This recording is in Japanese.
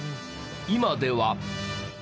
今では。